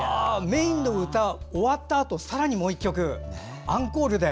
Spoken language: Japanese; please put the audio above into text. メインの歌が終わったあとさらにもう１曲、アンコールで。